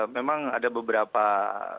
memang ada beberapa hal